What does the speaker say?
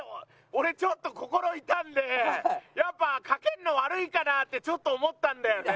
俺ちょっと心痛んでねやっぱ掛けるの悪いかなってちょっと思ったんだよね。